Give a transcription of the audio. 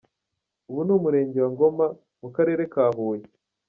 Ubu ni mu Murenge wa Ngoma mu Karere ka Huye.